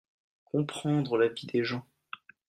Comprendre la vie des gens.